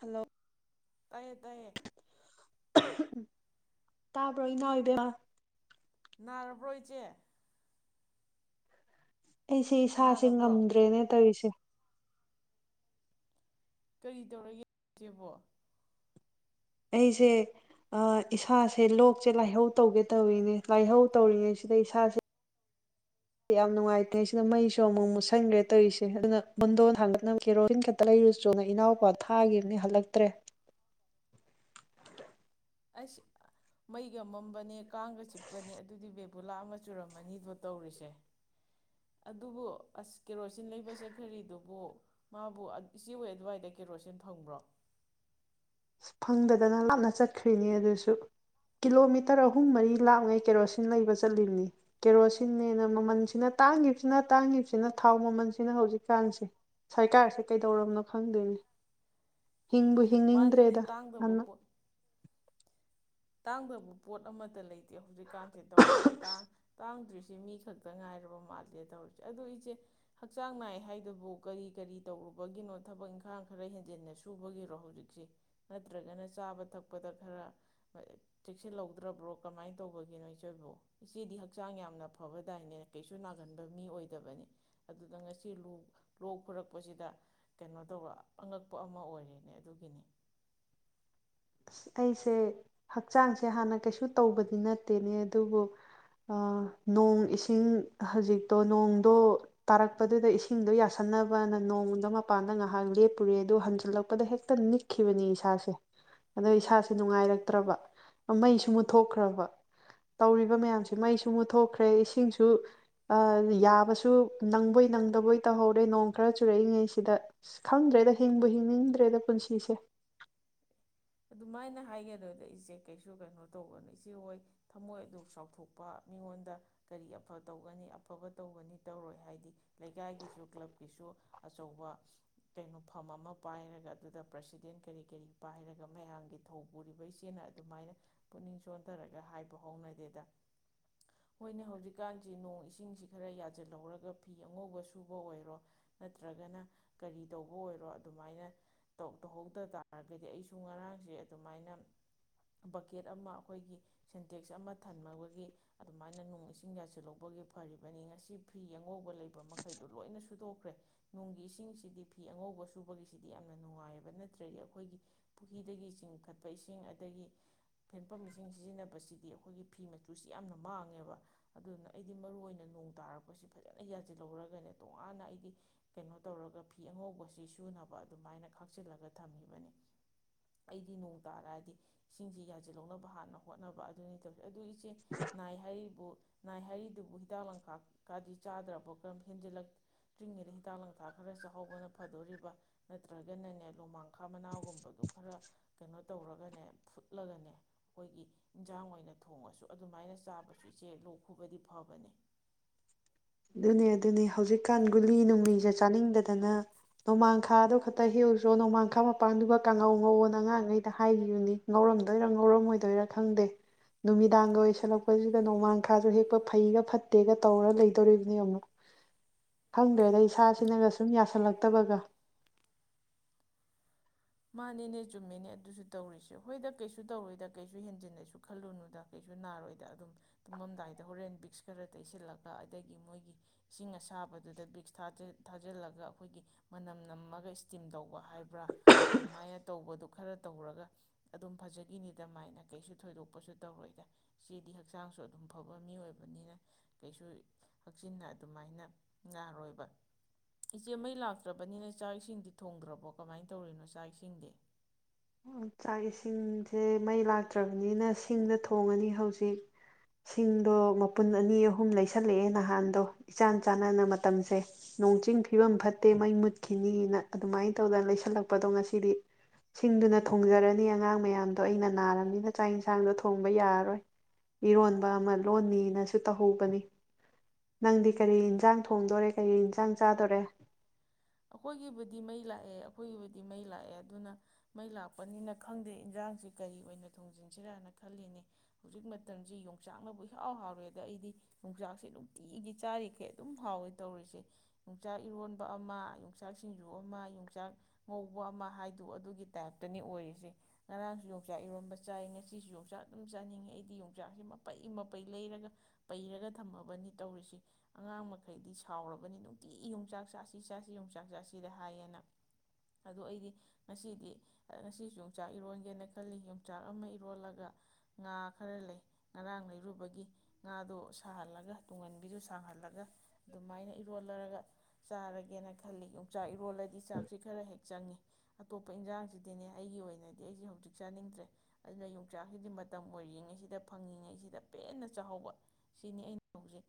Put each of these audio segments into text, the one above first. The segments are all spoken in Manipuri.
ꯍꯜꯂꯣ ꯇꯥꯌꯦ ꯇꯥꯌꯦ ꯇꯥꯕꯔꯣ ꯏꯅꯥꯎ ꯏꯕꯦꯝꯃꯥ [unintelligible] ꯏꯆꯦ ꯑꯩꯁꯦ ꯏꯁꯥꯁꯦ ꯅꯥꯔꯕ꯭ꯔꯣ ꯉꯝꯗ꯭ꯔꯦꯅꯦ ꯇꯧꯔꯤꯁꯦ ꯀꯩ ꯇꯧꯔꯒꯦꯖꯦꯕꯣ ꯑꯩꯁꯦ ꯑꯥ ꯏꯁꯥꯁꯦ ꯂꯣꯛꯁꯦ ꯂꯥꯏꯍꯧ ꯇꯧꯒꯦ ꯇꯧꯔꯤꯅꯦ ꯂꯥꯏꯍꯧ ꯇꯧꯔꯤꯉꯩꯁꯤꯗ ꯏꯁꯥꯁꯦ ꯌꯥꯝ ꯅꯨꯡꯉꯥꯏꯇꯦ ꯁꯤꯗ ꯃꯩꯁꯨ ꯑꯃꯨꯛ ꯃꯨꯠꯁꯤꯟꯈ꯭ꯔꯦ ꯇꯧꯔꯤꯁꯦ ꯑꯗꯨꯅ ꯄꯣꯗꯣꯟ ꯊꯥꯡꯒꯠꯅꯕ ꯀꯦꯔꯣꯗꯤꯟ ꯈꯛꯇ ꯂꯩꯔꯨꯆꯣꯅ ꯏꯅꯥꯎꯄꯥ ꯊꯥꯈꯤꯕꯅꯦ ꯍꯟꯂꯛꯇ꯭ꯔꯦ ꯑꯁ ꯃꯩꯒ ꯃꯝꯕꯅꯦ ꯀꯥꯡꯒ ꯆꯤꯛꯄꯅꯦ ꯑꯗꯨꯗꯤ ꯕꯦꯕꯨꯂꯥ ꯑꯃ ꯆꯨꯔꯝꯃꯅꯤꯕꯣ ꯇꯧꯔꯤꯁꯦ ꯑꯗꯨꯕꯨ ꯑꯁ ꯀꯦꯔꯣꯁꯤꯟ ꯂꯩꯕ ꯆꯠꯈ꯭ꯔꯤꯗꯨꯕꯨ ꯃꯥꯕꯨ ꯑꯗꯨ ꯏꯆꯦꯍꯣꯏ ꯑꯗꯨꯋꯥꯏꯗ ꯀꯦꯔꯣꯁꯤꯟ ꯐꯪꯕ꯭ꯔꯣ ꯐꯪꯗꯗꯅ ꯂꯥꯞꯅ ꯆꯠꯈ꯭ꯔꯤꯅꯤ ꯑꯗꯨꯁꯨ ꯀꯤꯂꯣꯃꯤꯇꯔ ꯑꯍꯨꯝ ꯃꯔꯤ ꯂꯥꯞꯉꯩ ꯀꯦꯔꯣꯁꯤꯟ ꯂꯩꯕ ꯆꯠꯂꯤꯕꯅꯤ ꯀꯦꯔꯣꯁꯤꯟꯅꯦꯅ ꯃꯃꯜꯁꯤꯅ ꯇꯥꯡꯒꯤꯕꯁꯤꯅ- ꯇꯥꯡꯒꯤꯕꯁꯤꯅ ꯊꯥꯎ ꯃꯃꯜꯁꯤꯅ ꯍꯧꯖꯤꯛꯀꯥꯟꯁꯦ ꯁꯔꯀꯥꯔꯁꯦ ꯀꯩꯗꯧꯔꯝꯅꯣ ꯈꯪꯗꯦ ꯍꯤꯡꯕꯨ-ꯍꯤꯡꯅꯤꯡ ꯅꯦ ꯇꯥꯡꯗꯕ ꯄꯣꯠ ꯇꯥꯡꯗꯕ ꯄꯣꯠ ꯑꯃꯇ ꯂꯩ ꯍꯧꯖꯤꯛꯀꯥꯟꯁꯦ ꯇꯧꯔꯤꯁꯦ ꯇꯥꯡ-ꯇꯥꯡꯗ꯭ꯔꯤꯁꯦ ꯁꯤ ꯃꯤ ꯈꯛꯇ ꯉꯥꯏꯔꯕ ꯃꯥꯜꯂꯦ ꯇꯧꯔꯤꯁꯦ ꯑꯗꯣ ꯑꯩꯁꯦ ꯍꯛꯆꯥꯡ ꯅꯥꯏ ꯍꯥꯏꯗꯨꯕꯨ ꯀꯔꯤ-ꯀꯔꯤ ꯇꯧꯔꯨꯕꯒꯤꯅꯣ ꯊꯕꯛ ꯏꯪꯈꯥꯡ ꯈꯔ ꯍꯦꯟꯖꯤꯟꯅ ꯁꯨꯕꯒꯤꯔꯣ ꯍꯧꯖꯤꯛꯁꯦ ꯅꯠꯇ꯭ꯔꯒꯅ ꯆꯥꯕ ꯊꯛꯄꯗ ꯈꯔ ꯆꯦꯛꯁꯤꯜ ꯍꯧꯗ꯭ꯔꯥꯕꯣ ꯀꯃꯥꯏꯅ ꯇꯧꯕꯒꯤꯅꯣ ꯏꯆꯣꯏꯕꯨ ꯏꯆꯦꯗꯤ ꯍꯛꯆꯥꯡ ꯌꯥꯝꯅ ꯐꯕꯗꯥꯏꯅꯦ ꯀꯩꯁꯨ ꯅꯥꯒꯟꯕ ꯃꯤ ꯑꯣꯏꯗꯕꯅꯤ ꯑꯗꯨꯗ ꯉꯁꯤ ꯂꯣꯡ ꯂꯣꯛ ꯈꯨꯔꯛꯄꯁꯤꯗ ꯀꯩꯅꯣ ꯇꯧꯕ ꯑꯉꯛꯄ ꯑꯃ ꯑꯣꯏꯔꯦꯅꯦ ꯑꯗꯨꯒꯤꯅꯤ ꯑꯁ ꯑꯩꯁꯦ ꯍꯛꯆꯥꯡꯁꯦ ꯍꯥꯟꯅ ꯀꯩꯁꯨ ꯇꯧꯕꯗꯤ ꯅꯠꯇꯦꯅꯦ ꯑꯗꯨꯕꯨ ꯑꯥ ꯅꯣꯡ ꯏꯁꯤꯡ ꯍꯧꯖꯤꯛꯇꯣ ꯅꯣꯡꯗꯣ ꯇꯥꯔꯛꯄꯗꯨꯗ ꯏꯁꯤꯡꯗꯣ ꯌꯥꯁꯟꯅꯕꯅ ꯅꯣꯡꯗꯣ ꯃꯄꯥꯟꯗ ꯉꯥꯍꯥꯛ ꯂꯦꯞꯄꯨꯔꯦ ꯑꯗꯨ ꯍꯟꯖꯤꯜꯂꯛꯄꯗ ꯍꯦꯛꯇ ꯅꯤꯛꯈꯤꯕꯅꯦ ꯏꯁꯥꯁꯦ ꯑꯗꯣ ꯏꯁꯥꯁꯦ ꯅꯨꯡꯉꯥꯏꯔꯛꯇ꯭ꯔꯕ ꯃꯩꯁꯨ ꯃꯨꯠꯊꯣꯛꯈ꯭ꯔꯕ ꯇꯧꯔꯤꯕ ꯃꯌꯥꯝꯁꯦ ꯃꯩꯁꯨ ꯃꯨꯠꯊꯣꯛꯈ꯭ꯔꯦ ꯏꯁꯤꯡꯁꯨ ꯑꯥ ꯌꯥꯕꯁꯨ ꯅꯪꯕꯣꯏ ꯅꯪꯗꯕꯣꯏ ꯇꯧꯍꯧꯔꯦ ꯅꯣꯡ ꯈꯔ ꯆꯨꯔꯛꯏꯉꯩꯁꯤꯗ ꯑꯁ ꯈꯪꯗ꯭ꯔꯦꯗ ꯍꯤꯡꯕꯨ ꯍꯤꯡꯅꯤꯡꯗ꯭ꯔꯦꯗ ꯄꯨꯟꯁꯤꯁꯦ ꯑꯗꯨꯃꯥꯏꯅ ꯍꯥꯏꯒꯗꯗ ꯏꯆꯦ ꯀꯩꯁꯨ ꯀꯩꯅꯣ ꯇꯧꯒꯅꯨ ꯏꯆꯦ ꯍꯣꯏ ꯊꯝꯃꯣꯏ ꯑꯗꯨ ꯆꯥꯎꯊꯣꯛꯄ ꯃꯤꯉꯣꯟꯗ ꯀꯔꯤ ꯑꯐ ꯇꯧꯒꯅꯤ ꯑꯐꯕ ꯇꯧꯒꯅꯤ ꯇꯧꯔꯣꯏ ꯍꯥꯏꯗꯤ ꯂꯩꯀꯥꯏꯒꯤꯁꯨ ꯀ꯭ꯂꯕꯀꯤꯁꯨ ꯑꯆꯧꯕ ꯀꯩꯅꯣ ꯐꯝ ꯑꯃ ꯄꯥꯏꯔꯒ ꯑꯗꯨꯗ ꯄ꯭ꯔꯁꯤꯗꯦꯟ ꯀꯔꯤ-ꯀꯔꯤ ꯄꯥꯏꯔꯒ ꯃꯌꯥꯝꯒꯤ ꯊꯧ ꯄꯨꯔꯤꯕ ꯏꯆꯦꯅ ꯑꯗꯨꯃꯥꯏꯅ ꯄꯨꯛꯅꯤꯡ ꯆꯣꯟꯊꯔꯒ ꯍꯥꯏꯕ ꯍꯧꯅꯗꯦꯗ ꯍꯣꯏꯅꯦ ꯍꯧꯖꯤꯛꯀꯥꯟꯁꯤ ꯅꯣꯡ ꯏꯁꯤꯡꯁꯤ ꯈꯔ ꯌꯥꯖꯤꯜꯍꯧꯔꯒ ꯐꯤ ꯑꯉꯧꯕ ꯁꯨꯕ ꯑꯣꯏꯔꯣ ꯅꯠꯇ꯭ꯔꯒꯅ ꯀꯔꯤ ꯇꯧꯕ ꯑꯣꯏꯔꯣ ꯑꯗꯨꯃꯥꯏꯅ ꯇꯧ-ꯇꯧꯍꯧꯗ ꯇꯥꯔꯒꯗꯤ ꯑꯩ ꯁꯨ ꯉꯔꯥꯡꯁꯦ ꯑꯗꯨꯃꯥꯏꯅ ꯕꯛꯀꯦꯠ ꯑꯃ ꯑꯩꯈꯣꯏꯒꯤ ꯁꯦꯟꯇꯦꯛꯁ ꯑꯃ ꯊꯟꯃꯋꯒꯤ ꯑꯗꯨꯃꯥꯏꯅ ꯅꯣꯡ ꯏꯁꯤꯡ ꯌꯥꯁꯤꯜ ꯍꯧꯕꯒꯤ ꯐꯔꯤꯕꯅꯤ ꯉꯁꯤ ꯐꯤ ꯑꯉꯧꯕ ꯂꯩꯕ ꯃꯈꯩꯗꯣ ꯂꯣꯏꯅ ꯁꯨꯗꯣꯛꯈ꯭ꯔꯦ ꯅꯨꯡꯒꯤ ꯏꯁꯤꯡꯁꯤꯗꯤ ꯐꯤ ꯑꯉꯧꯕ ꯁꯨꯕꯒꯤꯁꯤꯗꯤ ꯌꯥꯝꯅ ꯅꯨꯡꯉꯥꯏꯑꯕ ꯅꯠꯇ꯭ꯔꯗꯤ ꯑꯩꯈꯣꯏꯒꯤ ꯄꯨꯈꯔꯤꯗꯒꯤ ꯆꯤꯡꯈꯠꯄ ꯏꯁꯤꯡ ꯑꯗꯒꯤ ꯍꯦꯟꯄꯝ ꯏꯁꯤꯡ ꯁꯤꯖꯤꯟꯅꯕꯁꯤꯗꯤ ꯑꯩꯈꯣꯏꯒꯤ ꯐꯤ ꯃꯆꯨꯁꯤ ꯌꯥꯝꯅ ꯃꯥꯡꯉꯦꯕ ꯑꯗꯨꯅ ꯑꯩꯗꯤ ꯃꯔꯨ ꯑꯣꯏꯅ ꯅꯣꯡ ꯇꯥꯔꯛꯄꯁꯤ ꯐꯖꯅ ꯌꯥꯁꯤꯜꯍꯧꯔꯒꯅꯦ ꯇꯣꯉꯥꯟꯅ ꯑꯩꯗꯤ ꯀꯩꯅꯣ ꯇꯧꯔꯒ ꯐꯤ ꯑꯉꯧꯕꯁꯤ ꯁꯨꯅꯕ ꯑꯗꯨꯃꯥꯏꯅ ꯈꯥꯛꯆꯤꯜꯂꯒ ꯊꯝꯃꯤꯕꯅꯤ ꯑꯩꯗꯤ ꯅꯣꯡ ꯇꯥꯔꯗꯤ ꯏꯁꯤꯡꯁꯤ ꯌꯥꯖꯤꯜ ꯍꯧꯅꯕ ꯍꯥꯟꯅ ꯍꯣꯠꯅꯕ ꯑꯗꯨꯅꯤ ꯇꯧꯔꯤ ꯑꯗꯨ ꯏꯆꯦ ꯅꯥꯏ ꯍꯥꯏꯔꯤꯕꯨ ꯅꯥꯏ ꯍꯥꯏꯔꯤꯗꯨꯕꯨ ꯍꯤꯗꯥꯛ ꯂꯥꯡꯊꯥꯛ ꯀꯗꯤ ꯆꯥꯗ꯭ꯔꯕ ꯀꯔꯝ ꯍꯦꯟꯖꯤꯜꯂꯛꯇ꯭ꯔꯤꯉꯩꯗ ꯍꯤꯗꯥꯛ ꯂꯥꯡꯊꯥꯛ ꯈꯔ ꯆꯥꯍꯧꯕꯅ ꯐꯥꯗꯣꯔꯤꯕ ꯅꯠꯇ꯭ꯔꯒꯅꯅꯦ ꯂꯣꯃꯥꯡ ꯈꯥ ꯃꯅꯥꯒꯨꯝꯕ ꯑꯗꯨ ꯈꯔ ꯀꯩꯅꯣ ꯇꯧꯔꯒꯅꯦ ꯐꯨꯠꯂꯒꯅꯦ ꯑꯩꯈꯣꯏꯒꯤ ꯏꯟꯖꯥꯡ ꯑꯣꯏꯅ ꯊꯣꯡꯉꯁꯨ ꯑꯗꯨꯃꯥꯏꯅ ꯆꯥꯕꯁꯨ ꯏꯆꯦ ꯂꯣꯛ ꯈꯨꯕꯗꯤ ꯐꯕꯅꯦ ꯑꯗꯨꯅꯦ-ꯑꯗꯨꯅꯤ ꯍꯧꯖꯤꯛꯀꯥꯟ ꯒꯨꯂꯤ ꯅꯨꯡꯂꯤꯖꯦ ꯆꯥꯅꯤꯡꯗꯗꯅ ꯅꯣꯡꯃꯥꯡꯈꯥꯗꯣ ꯈꯛꯇ ꯍꯦꯛꯎꯆꯣꯅ ꯅꯣꯡꯃꯥꯡꯈꯥ ꯃꯄꯥꯟꯗꯨꯒ ꯀꯥꯡꯉꯧ ꯉꯧꯋꯣꯅ ꯑꯉꯥꯡꯉꯩꯗ ꯍꯥꯏꯈꯤꯕꯅꯤ ꯉꯧꯔꯝꯗꯣꯏꯔ ꯉꯧꯔꯝꯃꯣꯏꯗꯣꯏꯔ ꯈꯪꯗꯦ ꯅꯨꯃꯤꯗꯥꯡꯒ ꯑꯣꯏꯁꯜꯂꯛꯄꯁꯤꯒ ꯅꯣꯡꯃꯥꯡꯈꯥꯁꯨ ꯍꯦꯛꯄ ꯐꯩꯒ ꯐꯠꯇꯦꯒ ꯇꯧꯔ ꯂꯩ ꯇꯧꯔꯤꯕꯅꯦ ꯌꯥꯝꯅ ꯈꯪꯗ꯭ꯔꯦꯗ ꯏꯁꯥꯁꯤꯅꯒ ꯁꯨꯝ ꯌꯥꯁꯜꯂꯛꯇꯕꯒ ꯃꯥꯅꯦꯅꯦ ꯆꯨꯝꯃꯦꯅꯦ ꯑꯗꯨꯁꯨ ꯇꯧꯔꯤꯁꯦ ꯍꯣꯏꯗ ꯀꯩꯁꯨ ꯇꯧꯔꯣꯏꯗ ꯀꯩꯁꯨ ꯍꯦꯟꯖꯤꯟꯅꯁꯨ ꯈꯜꯂꯨꯅꯨꯗ ꯀꯩꯁꯨ ꯅꯥꯔꯣꯏꯗ ꯑꯗꯨꯝ ꯇꯨꯝꯃꯝꯗꯥꯏꯗ ꯍꯣꯔꯦꯟ ꯕꯤꯛꯁ ꯈꯔ ꯇꯩꯁꯤꯜꯂꯒ ꯑꯗꯒꯤ ꯃꯣꯏꯒꯤ ꯏꯁꯤꯡ ꯑꯁꯥꯕꯗꯨꯗ ꯕꯤꯛꯁ ꯊꯥꯖꯤꯜ-ꯊꯥꯖꯤꯜꯂꯒ ꯑꯩꯈꯣꯏꯒꯤ ꯃꯅꯝ ꯅꯝꯃꯒ ꯏꯁꯇꯤꯝ ꯇꯧꯕ ꯍꯥꯏꯕ꯭ꯔꯥ ꯑꯗꯨꯃꯥꯏꯅ ꯇꯧꯕꯗꯨ ꯈꯔ ꯇꯧꯔꯒ ꯑꯗꯨꯝ ꯐꯖꯈꯤꯅꯤꯗ ꯃꯥꯏꯅ ꯀꯩꯁꯨ ꯊꯣꯏꯗꯣꯛꯄꯁꯨ ꯇꯧꯔꯣꯏꯗ ꯏꯆꯦꯗꯤ ꯍꯛꯆꯥꯡꯁꯨ ꯑꯗꯨꯝ ꯐꯕ ꯃꯤ ꯑꯣꯏꯕꯅꯤꯅ ꯀꯩꯁꯨ ꯍꯛꯆꯤꯟꯅ ꯑꯗꯨꯃꯥꯏꯅ ꯌꯥꯔꯣꯏꯕ ꯏꯆꯦ ꯃꯩ ꯂꯥꯛꯇ꯭ꯔꯕꯅꯤꯅ ꯆꯥꯛ ꯏꯁꯤꯡꯗꯤ ꯊꯣꯡꯗ꯭ꯔꯕꯣ ꯀꯃꯥꯏꯅ ꯇꯧꯔꯤꯅꯣꯁꯦ ꯀꯥꯏꯁꯤꯡꯗꯤ ꯆꯥꯛ ꯏꯁꯤꯡꯁꯦ ꯃꯩ ꯂꯥꯛꯇ꯭ꯔꯕꯅꯤꯅ ꯁꯤꯡꯗ ꯊꯣꯡꯉꯅꯤ ꯍꯧꯖꯤꯛ ꯁꯤꯡꯗꯣ ꯃꯄꯨꯟ ꯑꯅꯤ ꯑꯍꯨꯝ ꯂꯩꯁꯜꯂꯛꯑꯦ ꯅꯍꯥꯟꯗꯣ ꯏꯆꯥꯟ-ꯆꯥꯟꯅꯅ ꯃꯇꯝꯁꯦ ꯅꯣꯡ ꯆꯤꯡ ꯐꯤꯕꯝ ꯐꯠꯇꯦ ꯃꯩ ꯃꯨꯠꯈꯤꯅꯤꯅ ꯑꯗꯨꯃꯥꯏꯅ ꯇꯧꯗꯅ ꯂꯩꯁꯜꯂꯛꯄꯗꯣ ꯉꯁꯤꯗꯤ ꯁꯤꯡꯗꯨꯅ ꯊꯣꯡꯖꯥꯔꯅꯤ ꯑꯉꯥꯡ ꯃꯌꯥꯝꯗꯣ ꯑꯩꯅ ꯅꯥꯔꯕꯅꯤꯅ ꯆꯥꯛ ꯏꯟꯁꯥꯡꯗꯣ ꯊꯣꯡꯕ ꯌꯥꯔꯣꯏ ꯏꯔꯣꯟꯕ ꯑꯃ ꯂꯣꯟꯅꯤꯅꯁꯨ ꯇꯧꯍꯧꯕꯅꯤ ꯅꯪꯗꯤ ꯀꯔꯤ ꯏꯟꯖꯥꯡ ꯊꯣꯡꯗꯣꯔꯦ ꯀꯔꯤ ꯏꯟꯖꯥꯡ ꯆꯥꯗꯣꯔꯦ ꯑꯩꯈꯣꯏꯒꯤꯕꯨꯗꯤ ꯃꯩ ꯂꯥꯛꯑꯦ ꯑꯩꯈꯣꯏꯒꯤꯕꯨꯗꯤ ꯃꯩ ꯂꯥꯛꯑꯦ ꯑꯗꯨꯅ ꯃꯩ ꯂꯥꯛꯄꯅꯤꯅ ꯈꯪꯗꯦ ꯏꯟꯖꯥꯡꯁꯤ ꯀꯔꯤ ꯑꯣꯏꯅ ꯊꯣꯡꯖꯤꯟꯁꯤꯔꯥꯅ ꯈꯜꯂꯤꯅꯦ ꯍꯧꯖꯤꯛ ꯃꯇꯝꯁꯤ ꯌꯣꯡꯆꯥꯛꯅꯕꯨ ꯏꯍꯥꯎ-ꯍꯥꯎꯔꯦꯗ ꯑꯩꯗꯤ ꯌꯣꯡꯆꯥꯛꯁꯤ ꯅꯨꯡꯇꯤꯗꯤ ꯆꯥꯔꯤꯈꯩ ꯑꯗꯨꯝ ꯍꯥꯎꯋꯦ ꯇꯧꯔꯤꯁꯦ ꯌꯣꯡꯆꯥꯛ ꯏꯔꯣꯟꯕ ꯑꯃ ꯌꯣꯡꯆꯥꯛ ꯁꯤꯡꯖꯨ ꯑꯃ ꯌꯣꯡꯆꯥꯛ ꯉꯧꯕ ꯑꯃ ꯍꯥꯏꯗꯨ ꯑꯗꯨꯒꯤ ꯇꯥꯏꯞꯇꯅꯤ ꯑꯣꯏꯔꯤꯁꯦ ꯉꯔꯥꯡꯁꯨ ꯌꯣꯡꯆꯥꯛ ꯏꯔꯣꯟꯝꯕ ꯆꯥꯏ ꯉꯁꯤꯁꯨ ꯌꯣꯡꯆꯥꯛ ꯑꯗꯨꯝ ꯆꯥꯅꯤꯡꯉꯦ ꯑꯩꯗꯤ ꯌꯣꯡꯆꯥꯛꯁꯤ ꯃꯄꯩ-ꯃꯄꯩ ꯂꯩꯔꯒ ꯄꯩꯔꯒ ꯊꯝꯃꯕꯅꯤ ꯇꯧꯔꯤꯁꯤ ꯑꯉꯥꯡ ꯃꯈꯩꯗꯤ ꯁꯥꯎꯔꯕꯅꯤ ꯅꯨꯡꯇꯤ ꯌꯣꯡꯆꯥꯛ ꯆꯥꯁꯤ-ꯆꯥꯁꯤ ꯌꯣꯡꯆꯥꯛ ꯌꯣꯡꯆꯥꯛ ꯆꯥꯁꯤꯗ ꯍꯥꯏꯌꯦꯅ ꯑꯗꯨ ꯑꯩꯗꯤ ꯉꯁꯤꯗꯤ-ꯉꯁꯤꯁꯨ ꯌꯣꯡꯆꯥꯛ ꯏꯔꯣꯟꯒꯦꯅ ꯈꯜꯂꯤ ꯌꯣꯡꯆꯥꯛ ꯑꯃ ꯏꯔꯣꯜꯂꯒ ꯉꯥ ꯈꯔ ꯂꯩ ꯉꯔꯥꯡ ꯂꯩꯔꯨꯕꯒꯤ ꯉꯥꯗꯣ ꯁꯥꯍꯜꯂꯒ ꯇꯨꯡꯍꯟꯕꯤꯗꯨ ꯁꯥꯡꯍꯜꯂꯒ ꯑꯗꯨꯃꯥꯏꯅ ꯏꯔꯣꯜꯂꯥꯔꯥꯒ ꯆꯥꯔꯒꯦꯅ ꯌꯣꯡꯆꯥꯛ ꯏꯔꯣꯜꯂꯗꯤ ꯆꯥꯛꯁꯤ ꯈꯔ ꯍꯦꯛ ꯆꯪꯉꯤ ꯑꯇꯣꯞꯄ ꯏꯟꯖꯥꯡꯁꯤꯗꯤꯅꯦ ꯑꯩꯒꯤ ꯑꯣꯏꯅꯗꯤ ꯑꯩꯁꯤ ꯍꯧꯖꯤꯛ ꯆꯥꯅꯤꯡꯗ꯭ꯔꯦ ꯑꯗꯨꯅ ꯌꯣꯡꯆꯥꯛꯁꯤꯗꯤ ꯃꯇꯝ ꯑꯣꯏꯔꯤꯉꯩꯁꯤꯗ ꯐꯪꯉꯤꯉꯩꯁꯤꯗ ꯄꯦꯟꯅ ꯆꯥꯎꯍꯧꯕ ꯁꯤꯅꯤ ꯑꯩꯅ ꯍꯧꯖꯤꯛ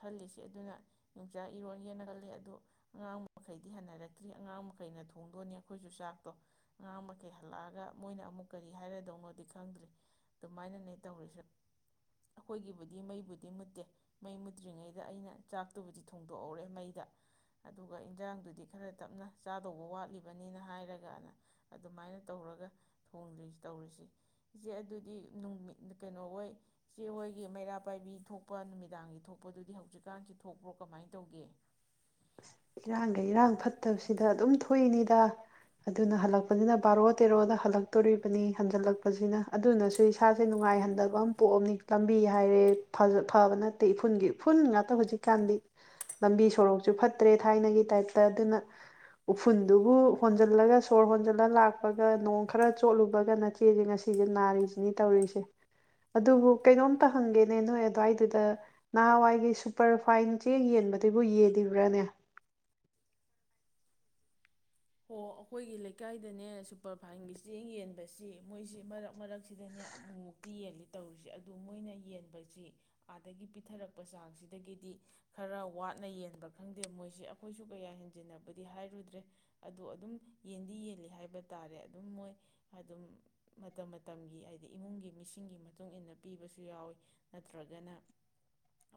ꯈꯜꯂꯤꯁꯤ ꯑꯗꯨꯅ ꯌꯣꯡꯆꯥꯛ ꯏꯔꯣꯟꯒꯦꯅ ꯈꯜꯂꯤ ꯑꯗꯨ ꯑꯉꯥꯡ ꯃꯌꯥꯝ ꯑꯥꯉꯥꯡ ꯃꯈꯩꯗꯤ ꯍꯟꯅꯔꯛꯇ꯭ꯔꯤ ꯑꯉꯥꯡ ꯃꯈꯩꯅ ꯊꯣꯡꯗꯣꯅꯤ ꯑꯩꯈꯣꯏꯁꯨ ꯆꯥꯛꯇꯣ ꯑꯉꯥꯡ ꯃꯈꯩ ꯍꯜꯂꯛꯑꯒ ꯃꯣꯏꯅ ꯑꯃꯨꯛ ꯀꯔꯤ ꯍꯥꯏꯔꯗꯣꯅꯣꯗꯤ ꯈꯪꯗ꯭ꯔꯤ ꯑꯗꯨꯃꯥꯏꯅꯅꯦ ꯇꯧꯔꯤꯁꯦ ꯑꯩꯈꯣꯏꯒꯤꯕꯨꯗꯤ ꯃꯩꯕꯨꯗꯤ ꯃꯨꯠꯇꯦ ꯃꯩ ꯃꯨꯠꯇ꯭ꯔꯤꯉꯩꯗ ꯑꯩꯅ ꯆꯥꯛꯇꯨꯕꯨꯗꯤ ꯊꯣꯡꯗꯣꯛꯑꯣꯔꯦ ꯃꯩꯗ ꯑꯗꯨ ꯑꯗꯨꯒ ꯏꯟꯖꯥꯡꯗꯨꯗꯤ ꯈꯔ ꯇꯞꯅ ꯆꯥꯗꯧꯕ ꯋꯥꯠꯂꯤꯕꯅꯤꯅ ꯍꯥꯏꯔꯒꯅ ꯑꯗꯨꯃꯥꯏꯅ ꯇꯧꯔꯒ ꯊꯣꯡꯗ꯭ꯔꯤ ꯇꯧꯔꯤꯁꯦ ꯏꯆꯦ ꯑꯗꯨꯗꯤ ꯅꯨꯃꯤꯠ ꯀꯩꯅꯣꯍꯣꯏ ꯏꯆꯦ ꯍꯣꯏꯒꯤ ꯃꯩꯔꯥ ꯄꯥꯏꯕꯤ ꯊꯣꯛꯄ ꯅꯨꯃꯤꯗꯥꯡꯒꯤ ꯊꯣꯛꯄꯗꯨꯗꯤ ꯍꯧꯖꯤꯛꯀꯥꯟꯁꯤ ꯊꯣꯛꯄ꯭ꯔꯣ ꯀꯃꯥꯏ ꯇꯧꯒꯦ ꯏꯔꯥꯡꯒ ꯏꯔꯥꯡ ꯐꯠꯇꯕꯁꯤꯗ ꯑꯗꯨꯝ ꯊꯣꯛꯏꯅꯤꯗ ꯑꯗꯨꯅ ꯍꯜꯂꯛꯄꯖꯤꯅ ꯕꯥꯔꯣ ꯇꯦꯔꯣꯗ ꯍꯜꯂꯛꯇꯣꯔꯤꯕꯅꯤ ꯍꯟꯖꯤꯜꯂꯛꯄꯁꯤꯅ ꯑꯗꯨꯅꯁꯨ ꯏꯁꯥꯁꯦ ꯅꯨꯡꯉꯥꯏꯍꯟꯗꯕ ꯑꯃ ꯄꯣꯛꯑꯝꯅꯤ ꯂꯝꯕꯤ ꯍꯥꯏꯔꯦ ꯐꯖꯥ-ꯐꯕ ꯅꯠꯇꯦ ꯏꯐꯨꯟꯒꯤ ꯏꯐꯨꯟ ꯉꯥꯛꯇ ꯍꯧꯖꯤꯛꯀꯥꯟꯗꯤ ꯂꯝꯕꯤ ꯁꯣꯔꯣꯛ ꯁꯨ ꯐꯠꯇ꯭ꯔꯦ ꯊꯥꯏꯅꯒꯤ ꯇꯥꯏꯞꯇ ꯑꯗꯨꯅ ꯎꯐꯨꯜꯗꯨꯕꯨ ꯍꯣꯟꯖꯜꯂꯒ ꯁꯣꯔ ꯍꯣꯟꯖꯜꯂ ꯂꯥꯛꯄꯒ ꯅꯣꯡ ꯈꯔ ꯆꯣꯠꯂꯨꯕꯒꯅ ꯅꯆꯦꯖꯦ ꯉꯁꯤꯁꯦ ꯅꯥꯔꯤꯁꯤꯅꯤ ꯇꯧꯔꯤꯁꯦ ꯑꯗꯨꯕꯨ ꯀꯩꯅꯣꯝꯇ ꯍꯪꯒꯦꯅꯦ ꯅꯣꯏ ꯑꯗꯨꯋꯥꯏꯗꯨꯗ ꯅꯍꯥꯟꯋꯥꯏꯒꯤ ꯁꯨꯄꯔ ꯐꯥꯏꯟ ꯆꯦ ꯌꯦꯟꯕꯗꯨꯕꯨ ꯌꯦꯂꯤꯕ ꯔꯥꯅꯦ ꯑꯣ ꯑꯩꯈꯣꯏꯒꯤ ꯂꯩꯀꯥꯏꯗꯅꯦ ꯁꯨꯄꯔꯐꯥꯏꯟꯒꯤ ꯆꯦꯡ ꯌꯦꯟꯕꯁꯤ ꯃꯣꯏꯁꯤ ꯃꯔꯛ-ꯃꯔꯛꯁꯤꯗꯅꯦ ꯑꯃꯨꯛꯃꯨꯛꯇꯤ ꯌꯦꯜꯂꯤ ꯇꯧꯔꯤꯁꯤ ꯑꯗꯨ ꯃꯣꯏꯅ ꯌꯦꯟꯕꯁꯤ ꯑꯥꯗꯒꯤ ꯄꯤꯊꯔꯛꯄ ꯆꯥꯡꯁꯤꯗꯒꯤꯗꯤ ꯈꯔ ꯋꯥꯠꯅ ꯌꯦꯟꯕ ꯈꯪꯗꯦ ꯃꯣꯏꯁꯤ ꯑꯩꯈꯣꯏꯁꯨ ꯀꯌꯥ ꯍꯦꯟꯖꯤꯟꯅꯕꯗꯤ ꯍꯥꯏꯔꯨꯗ꯭ꯔꯦ ꯑꯗꯣ ꯑꯗꯨꯝ ꯌꯦꯟꯗꯤ ꯌꯦꯜꯂꯤ ꯍꯥꯏꯕ ꯇꯥꯔꯦ ꯑꯗꯨꯝ ꯃꯣꯏ ꯑꯗꯨꯝ ꯃꯇꯝ-ꯃꯇꯝꯒꯤ ꯍꯥꯏꯗꯤ ꯏꯃꯨꯡꯒꯤ ꯃꯤꯁꯤꯡꯒꯤ ꯃꯇꯨꯡ ꯏꯟꯅ ꯄꯤꯕꯁꯨ ꯌꯥꯎꯋꯤ ꯅꯠꯇ꯭ꯔꯒꯅ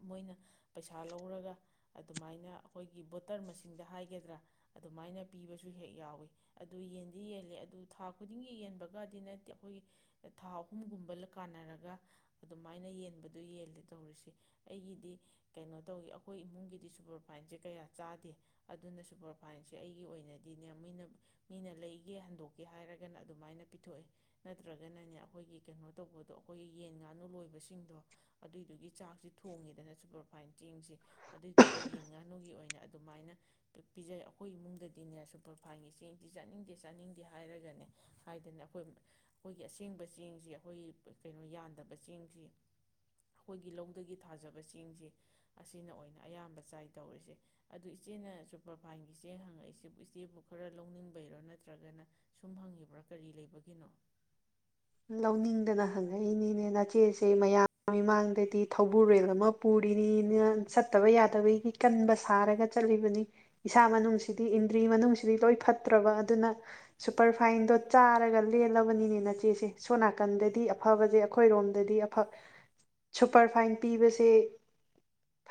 ꯃꯣꯏꯅ ꯄꯩꯁꯥ ꯂꯧꯔꯒ ꯑꯗꯨꯃꯥꯏꯅ ꯑꯩꯈꯣꯏꯒꯤ ꯕꯣꯇꯔ ꯃꯁꯤꯡꯗ ꯍꯥꯏꯒꯗ꯭ꯔꯥ ꯑꯗꯨꯃꯥꯏꯅ ꯄꯤꯕꯁꯨ ꯍꯦꯛ ꯌꯥꯎꯏꯤ ꯑꯗꯨ ꯌꯦꯟꯗꯤ ꯌꯦꯜꯂꯦ ꯑꯗꯨ ꯊꯥ ꯈꯨꯗꯤꯡꯒꯤ ꯌꯦꯟꯕꯒꯗꯤ ꯅꯠꯇꯦ ꯑꯩꯈꯣꯏꯒꯤ ꯊꯥ ꯑꯍꯨꯝꯒꯨꯝꯕ ꯀꯥꯟꯅꯔꯒ ꯑꯗꯨꯃꯥꯏꯅ ꯌꯦꯟꯕꯗꯣ ꯌꯦꯜꯂꯦ ꯇꯧꯔꯤꯁꯦ ꯑꯩꯒꯤꯗꯤ ꯀꯩꯅꯣ ꯇꯧꯏꯤ ꯑꯩꯈꯣꯏ ꯏꯃꯨꯡꯒꯤꯗꯤ ꯁꯨꯄꯔꯐꯥꯏꯟꯁꯦ ꯀꯌꯥ ꯆꯥꯗꯦ ꯑꯗꯨꯅ ꯁꯨꯄꯔꯐꯥꯏꯟꯁꯦ ꯑꯩ ꯒꯤ ꯑꯣꯏꯅꯗꯤꯅꯦ ꯃꯣꯏꯅ ꯃꯤꯅ ꯂꯩꯒꯦ ꯍꯟꯗꯣꯛꯀꯦ ꯍꯥꯏꯔꯒꯅ ꯑꯗꯨꯃꯥꯏꯅ ꯄꯤꯊꯣꯛꯑꯦ ꯅꯠꯇ꯭ꯔꯒꯅꯅꯦ ꯑꯩꯈꯣꯏꯒꯤ ꯀꯩꯅꯣ ꯇꯧꯕꯗꯣ ꯑꯩꯈꯣꯏꯒꯤ ꯌꯦꯟ ꯉꯥꯅꯨ ꯂꯣꯏꯕꯁꯤꯡꯗꯣ ꯑꯗꯨꯏꯗꯨꯒꯤ ꯆꯥꯛꯁꯤ ꯊꯣꯡꯉꯤꯗꯅ ꯁꯨꯄꯔꯐꯥꯏꯟ ꯆꯦꯡꯁꯦ ꯑꯗꯨꯏꯗꯨꯒ ꯌꯦꯟ ꯉꯥꯅꯨꯒꯤ ꯑꯣꯏꯅ ꯑꯗꯨꯃꯥꯏꯅ ꯄꯤꯖꯩ ꯑꯩꯈꯣꯏ ꯏꯃꯨꯡꯗꯗꯤ ꯑꯗꯨꯗꯤꯅꯦ ꯁꯨꯄꯔꯐꯥꯏꯟꯒꯤ ꯆꯦꯡꯗꯤ ꯆꯥꯅꯤꯡꯗꯦ ꯆꯥꯅꯤꯡꯗꯦ ꯍꯥꯏꯔꯒꯅꯦ ꯍꯥꯏꯗꯅ ꯑꯩꯈꯣꯏ ꯑꯩꯈꯣꯏꯒꯤ ꯑꯁꯦꯡꯕ ꯆꯦꯡꯁꯤ ꯑꯩꯈꯣꯏꯒꯤ ꯀꯩꯅꯣ ꯌꯥꯟꯗꯕ ꯆꯦꯡꯁꯤ ꯑꯩꯈꯣꯏꯒꯤ ꯂꯧꯗꯒꯤ ꯊꯥꯖꯕ ꯆꯦꯡꯁꯤ ꯑꯁꯤꯅ ꯑꯣꯏꯅ ꯑꯌꯥꯝꯕ ꯆꯥꯏ ꯇꯧꯔꯤꯁꯦ ꯑꯗꯨ ꯏꯆꯦꯅ ꯁꯨꯄꯔꯐꯥꯏꯟꯒꯤ ꯆꯦꯡ ꯍꯪꯉꯛꯏꯁꯦ ꯏꯆꯦꯕꯨ ꯈꯔ ꯂꯧꯅꯤꯡꯕꯩꯔꯥ ꯅꯠꯇ꯭ꯔꯒꯅ ꯁꯨꯝ ꯍꯪꯉꯤꯕ꯭ꯔꯥ ꯀꯔꯤ ꯂꯩꯕꯒꯤꯅꯣ ꯂꯧꯅꯤꯡꯗꯅ ꯍꯪꯉꯛꯏꯅꯤꯅꯦ ꯅꯆꯦꯁꯦ ꯃꯌꯥꯝ ꯃꯃꯥꯡꯗꯗꯤ ꯊꯧꯕꯨꯔꯦꯜ ꯑꯃ ꯄꯨꯔꯤꯅꯤꯅ ꯆꯠꯇꯕ ꯌꯥꯗꯕꯒꯤ ꯀꯟꯕ ꯁꯥꯔꯒ ꯆꯠꯂꯤꯕꯅꯤ ꯏꯁꯥ ꯃꯅꯨꯡꯁꯤꯗꯤ ꯏꯟꯗ꯭ꯔꯤ ꯃꯅꯨꯡꯁꯤꯗꯤ ꯂꯣꯏ ꯐꯠꯇ꯭ꯔꯕ ꯑꯗꯨꯅ ꯁꯨꯄꯔꯐꯥꯏꯟꯗꯣ ꯆꯥꯔꯒ ꯂꯦꯜꯂꯕꯅꯤꯅꯦ ꯅꯆꯦꯁꯦ ꯁꯣꯝ ꯅꯥꯀꯟꯗꯗꯤ ꯑꯐꯕꯁꯦ ꯑꯩꯈꯣꯏꯔꯣꯝꯗꯗꯤ ꯑꯐ ꯁꯨꯄꯔꯐꯥꯏꯟ ꯄꯤꯕꯁꯦ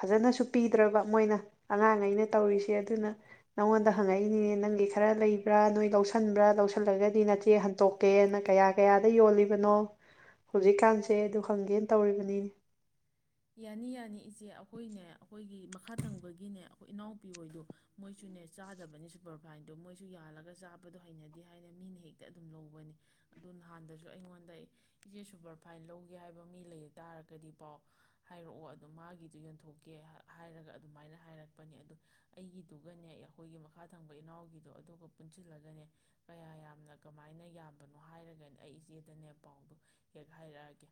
ꯐꯖꯅꯁꯨ ꯄꯤꯗ꯭ꯔꯕ ꯃꯣꯏꯅ ꯑꯉꯥꯡꯉꯩꯅ ꯇꯧꯔꯤꯁꯦ ꯑꯗꯨꯅ ꯅꯪꯉꯣꯟꯗ ꯍꯪꯉꯛꯏꯅꯤꯅꯦ ꯅꯪꯒꯤ ꯈꯔ ꯂꯩꯕ꯭ꯔꯥ ꯅꯣꯏ ꯂꯧꯁꯟꯕ꯭ꯔꯥ ꯂꯧꯁꯜꯂꯒꯗꯤ ꯅꯆꯦ ꯍꯟꯇꯣꯛꯀꯦꯅ ꯀꯌꯥ ꯀꯌꯥ [unintelligible] ꯌꯣꯜꯂꯤꯕꯅꯣ ꯍꯧꯖꯤꯛꯀꯥꯟꯁꯦ ꯑꯗꯨ ꯍꯨꯪꯒꯦ ꯇꯧꯔꯤꯕꯅꯤꯅꯦ ꯌꯥꯅꯤ ꯌꯥꯅꯤ ꯏꯆꯦ ꯑꯩꯈꯣꯏꯅꯦ ꯑꯩꯈꯣꯏꯒꯤ ꯃꯈꯥ ꯊꯪꯕꯒꯤꯅꯦ ꯑꯩꯈꯣꯏ ꯏꯅꯥꯎꯄꯤ ꯍꯣꯏꯗꯣ ꯃꯣꯏꯁꯨꯅꯦ ꯆꯥꯗꯕꯅꯤ ꯁꯨꯄꯔꯐꯥꯏꯟꯗꯣ ꯃꯣꯏꯁꯨ ꯌꯥꯜꯂꯒ ꯆꯥꯕꯗꯣ ꯍꯩꯅꯗꯦ ꯍꯥꯏꯅ ꯃꯤꯅ ꯍꯦꯛꯇ ꯑꯗꯨꯝ ꯂꯧꯕꯅꯦ ꯑꯗꯨ ꯅꯍꯥꯟꯗꯁꯨ ꯑꯩꯉꯣꯟꯗ ꯏꯆꯦ ꯁꯨꯄꯔꯐꯥꯏꯟ ꯂꯧꯒꯦ ꯍꯥꯏꯕ ꯃꯤ ꯂꯩ ꯇꯥꯔꯒꯗꯤ ꯄꯥꯎ ꯍꯥꯏꯔꯛꯑꯣ ꯑꯗꯣ ꯃꯥꯒꯤꯗꯨꯣ ꯌꯣꯟꯊꯣꯛꯀꯦ ꯍꯥꯏꯔꯒ ꯑꯗꯨꯃꯥꯏꯅ ꯍꯥꯏꯔꯛꯄꯅꯦ ꯑꯗꯨ ꯑꯩꯒꯤꯗꯨꯒꯅꯦ ꯑꯩꯈꯣꯏꯒꯤ ꯃꯈꯥ ꯊꯪꯕ ꯏꯅꯥꯎꯒꯤꯗꯣ ꯑꯗꯨꯒ ꯄꯨꯟꯁꯤꯜꯂꯒꯅꯦ ꯀꯌꯥ ꯌꯥꯝꯅ ꯀꯃꯥꯏꯅ ꯌꯥꯝꯕꯅꯣ ꯍꯥꯏꯔꯒꯅꯦ ꯑꯩ ꯏꯆꯦꯗꯅꯦ ꯄꯥꯎꯗ ꯍꯦꯛ ꯍꯥꯏꯔꯛꯑꯒꯦ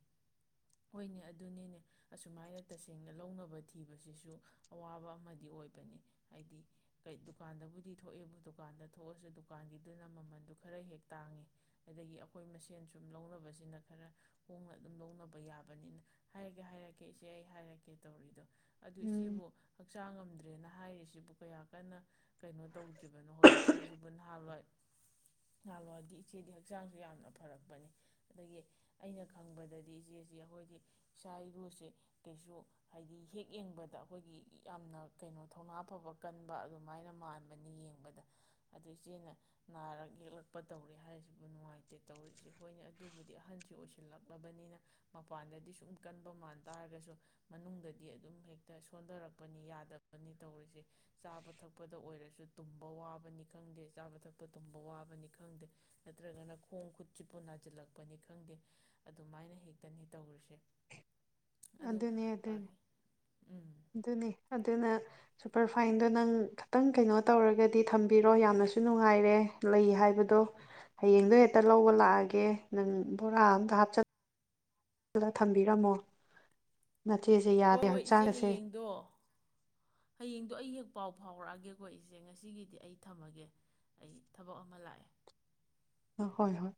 ꯍꯣꯏꯅꯦ ꯑꯗꯨꯅꯤꯅꯦ ꯑꯁꯨꯃꯥꯏꯅ ꯇꯁꯦꯡꯅ ꯂꯧꯅꯕ ꯊꯤꯕꯁꯤꯁꯨ ꯑꯋꯥꯕ ꯑꯃꯗꯤ ꯑꯣꯏꯕꯅꯤ ꯍꯥꯏꯗꯤ ꯀꯩ ꯗꯨꯀꯥꯟꯗꯕꯨꯗꯤ ꯊꯣꯛꯑꯦꯕꯨ ꯗꯨꯀꯥꯟꯗ ꯊꯣꯛꯑꯁꯨ ꯗꯨꯀꯥꯟꯒꯤꯗꯨꯅ ꯃꯃꯟꯗꯨ ꯈꯔ ꯍꯦꯛ ꯇꯥꯡꯉꯦ ꯑꯗꯒꯤ ꯑꯩꯈꯣꯏ ꯃꯁꯦꯟ ꯁꯨꯝ ꯂꯧꯅꯕꯁꯤꯅ ꯈꯔ ꯍꯣꯡꯅ ꯑꯗꯨꯝ ꯂꯧꯅꯕ ꯌꯥꯕꯅꯤꯅ ꯍꯥꯏꯔꯒꯦ ꯍꯥꯏꯔ ꯀꯀꯦ ꯏꯆꯦ ꯑꯩ ꯍꯥꯏꯔꯛꯀꯦ ꯇꯧꯔꯤꯗꯣ ꯑꯗꯨ ꯎꯝ ꯏꯆꯦꯕꯨ ꯍꯛꯆꯥꯡ ꯉꯝꯗ꯭ꯔꯦꯅ ꯍꯥꯏꯔꯤꯁꯤꯕꯨ ꯀꯌꯥ ꯀꯟꯅ ꯀꯩꯅꯣ ꯇꯧꯗ꯭ꯔꯤꯕꯅꯣ ꯍꯧꯖꯤꯛꯀꯥꯟꯁꯤꯕꯨ ꯅꯍꯥꯥꯟꯋꯥꯏ ꯅꯍꯥꯋꯥꯔꯗꯤ ꯏꯆꯦꯗꯤ ꯍꯛꯆꯥꯡꯁꯨ ꯌꯥꯝꯅ ꯐꯔꯛꯄꯅꯤ ꯑꯗꯒꯤ ꯑꯩꯅ ꯈꯪꯕꯗꯗꯤ ꯏꯆꯦꯁꯤ ꯑꯩꯈꯣꯏꯒꯤ ꯏꯁꯥ ꯏꯔꯨꯁꯦ ꯀꯩꯁꯨ ꯍꯥꯏꯗꯤ ꯍꯦꯛ ꯌꯦꯡꯕꯗ ꯑꯩꯈꯣꯏꯒꯤ ꯌꯥꯝꯅ ꯀꯩꯅꯣ ꯊꯧꯅꯥ ꯐꯕ ꯀꯟꯕ ꯑꯗꯨꯃꯥꯏꯅ ꯃꯥꯟꯕꯅꯤ ꯌꯦꯡꯕꯗ ꯑꯗꯨ ꯏꯆꯦꯅ ꯅꯥꯔꯛ ꯌꯦꯛꯂꯛꯄ ꯇꯧꯔꯦ ꯍꯥꯏꯔꯤꯁꯤꯕꯨ ꯅꯨꯡꯉꯥꯏꯇꯦ ꯇꯧꯔꯤꯁꯦ ꯍꯣꯏꯅꯦ ꯑꯗꯨꯕꯨꯗꯤ ꯑꯍꯟꯁꯤ ꯑꯣꯏꯁꯤꯜꯂꯛꯂꯕꯅꯤꯅ ꯃꯄꯥꯟꯗꯗꯤ ꯁꯨꯝ ꯀꯟꯕ ꯃꯥꯟ ꯇꯥꯔꯒꯁꯨ ꯃꯅꯨꯡꯗꯗꯤ ꯑꯗꯨꯝ ꯍꯦꯛꯇ ꯁꯣꯟꯊꯔꯛꯄꯅꯤ ꯌꯥꯗꯕꯅꯤ ꯇꯧꯔꯤꯁꯦ ꯆꯥꯕ ꯊꯛꯄꯗ ꯑꯣꯏꯔꯁꯨ ꯇꯨꯝꯕ ꯋꯥꯕꯅꯤ ꯈꯪꯗꯦ ꯆꯥꯕ ꯊꯛꯄ ꯇꯨꯝꯕ ꯋꯥꯕꯅꯤ ꯈꯪꯗꯦ ꯅꯠꯇ꯭ꯔꯒꯅ ꯈꯣꯡ ꯈꯨꯠꯁꯤꯠꯄꯨ ꯅꯥꯁꯤꯜꯂꯛꯄꯅꯤ ꯈꯪꯗꯦ ꯑꯗꯨꯃꯥꯏꯅ ꯍꯦꯛꯇꯅꯤ ꯇꯧꯔꯤꯁꯦ ꯑꯗꯣ ꯑꯗꯨꯅꯤ ꯑꯗꯨꯅꯤ ꯎꯝ ꯑꯗꯨꯅꯤ ꯑꯗꯨꯅ ꯁꯨꯄꯔꯐꯥꯏꯟꯗꯣ ꯅꯪ ꯈꯤꯇꯪ ꯀꯩꯅꯣ ꯇꯧꯔꯒꯗꯤ ꯊꯝꯕꯤꯔꯣ ꯌꯥꯝꯅꯁꯨ ꯅꯨꯡꯉꯥꯏꯔꯦ ꯂꯩ ꯍꯥꯏꯕꯗꯣ ꯍꯌꯦꯡꯗꯣ ꯍꯦꯛꯇ ꯂꯧꯕ ꯂꯥꯛꯑꯒꯦ ꯅꯪ ꯕꯣꯔꯥ ꯑꯝꯇ ꯍꯥꯞꯆꯜꯂ ꯗ ꯊꯝꯕꯤꯔꯝꯃꯣ ꯅꯆꯦꯁꯦ ꯍꯣꯏ ꯌꯥꯗꯦ ꯍꯣꯏ ꯏꯆꯦ ꯍꯛꯆꯥꯡꯒꯁꯦ ꯍꯌꯦꯡꯗꯣ ꯍꯌꯦꯡꯗꯣ ꯑꯩ ꯍꯦꯛ ꯄꯥꯎ ꯐꯥꯎꯔꯛꯑꯒꯦꯀꯣ ꯏꯆꯦ ꯉꯁꯤꯒꯤꯗꯤ ꯑꯩ ꯊꯝꯃꯒꯦ ꯑꯩ ꯊꯕꯛ ꯑꯃ ꯂꯥꯛꯑꯦ ꯍꯣꯏ ꯍꯣꯏ